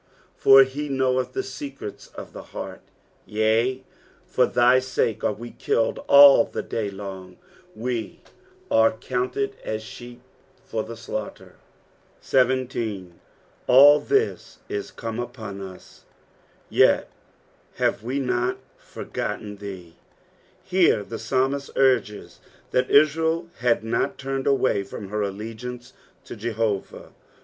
for he knoweth the secrets of the heart. 22 Yea, for thy sake are we kilted all the day long ; we are counted as sheep for the slaughter. 17. "Jfl thi* M eome upwi ut ; yet hate me not forgotten tAee." Here the paalmist urges that Israel had not turned away from her allegiance to Jehovah.